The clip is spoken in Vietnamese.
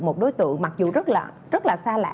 một đối tượng mặc dù rất là xa lạ